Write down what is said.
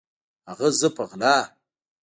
هغه زه په غلا